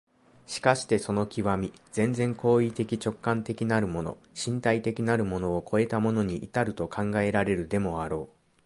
しかしてその極、全然行為的直観的なるもの、身体的なるものを越えたものに到ると考えられるでもあろう。